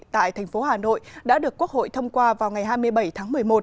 tại thành phố hà nội đã được quốc hội thông qua vào ngày hai mươi bảy tháng một mươi một